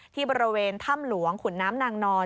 ที่บริเวณถ้ำหลวงขุนน้ำนางนอน